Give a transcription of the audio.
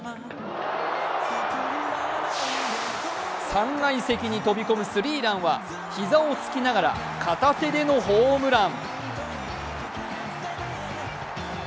３階席に飛び込むスリーランは膝をつきながら片手でのホームラン。